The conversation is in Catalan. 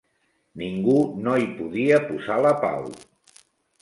Ningú no hi podia posar la pau.